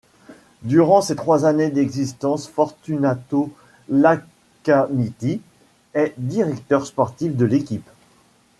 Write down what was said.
Durant ses trois années d'existence Fortunato Lacquaniti est directeur sportif de l'équipe.